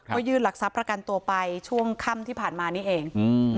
ก็ยื่นหลักทรัพย์ประกันตัวไปช่วงค่ำที่ผ่านมานี่เอง